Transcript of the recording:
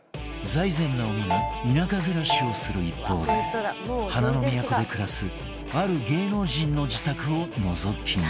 財前直見が田舎暮らしをする一方で花の都で暮らすある芸能人の自宅をのぞき見